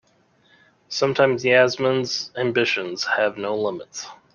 Sometimes Yasmin's ambitions have no limits.